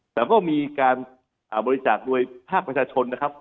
แต่ก็มีการบริจาคโดยภาคประชาชนนะครับ